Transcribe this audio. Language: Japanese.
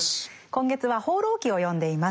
今月は「放浪記」を読んでいます。